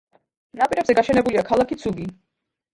ნაპირებზე გაშენებულია ქალაქი ცუგი.